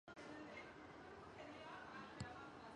新宫殿接待过退位的希腊国王和王后奥托一世夫妇。